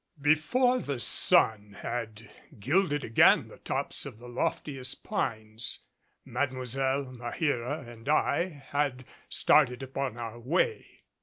Before the sun had gilded again the tops of the loftiest pines, Mademoiselle, Maheera and I had started upon our way.